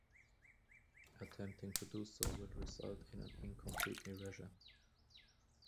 Attempting to do so will result in an incomplete erasure.